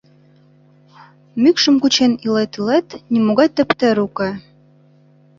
Мӱкшым кучен илет-илет, нимогай тептер уке.